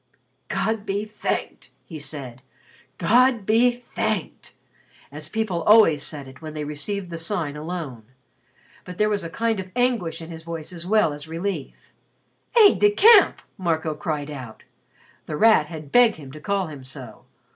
"God be thanked!" he said. "God be thanked!" as people always said it when they received the Sign, alone. But there was a kind of anguish in his voice as well as relief. "Aide de camp!" Marco cried out The Rat had begged him to call him so.